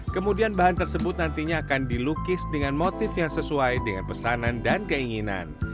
kemudian bahan tersebut nantinya akan dilukis dengan motif yang sesuai dengan pesanan dan keinginan